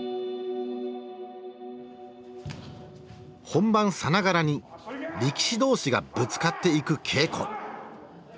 本番さながらに力士同士がぶつかっていく稽古。